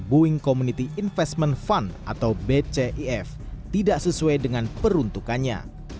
boeing community investment fund atau bcif tidak sesuai dengan peruntukannya